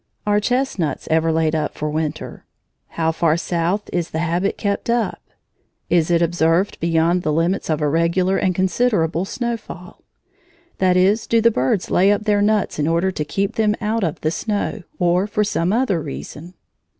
Are chestnuts ever laid up for winter? How far south is the habit kept up? Is it observed beyond the limits of a regular and considerable snowfall? That is, do the birds lay up their nuts in order to keep them out of the snow, or for some other reason?